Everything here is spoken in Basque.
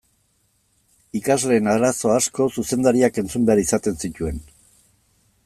Ikasleen arazo asko zuzendariak entzun behar izaten zituen.